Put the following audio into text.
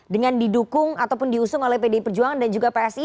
dengan didukung ataupun diusung oleh pdi perjuangan dan juga psi